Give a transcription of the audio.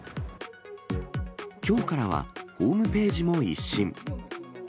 きょうからはホームページも一新。